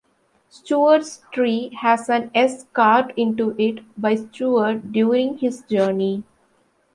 Stuart's Tree has an 'S' carved into it by Stuart during his journey.